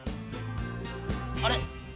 あれ？